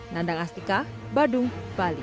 nandang astika badung bali